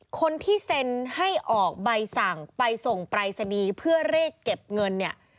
คนที่เซ็นให้ออกใบสั่งไปส่งปรายศนีย์เพื่อเรียกเก็บเงินเนี่ย